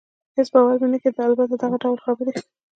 هېڅ باور مې نه کېده، البته دغه ډول خبرې.